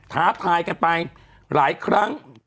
ท้าทายกันไปหลายครั้ง